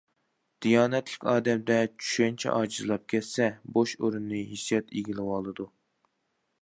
دىيانەتلىك ئادەمدە چۈشەنچە ئاجىزلاپ كەتسە، بوش ئورۇننى ھېسسىيات ئىگىلىۋالىدۇ.